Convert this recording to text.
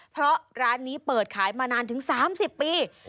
เพราะร้านนี้เปิดขายมานานถึง๓๐ปี